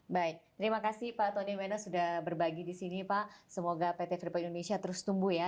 baik terima kasih pak tony wena sudah berbagi di sini pak semoga pt freeport indonesia terus tumbuh ya